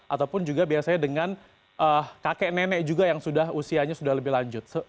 ataupun juga biasanya dengan kakek nenek juga yang sudah usianya sudah lebih lanjut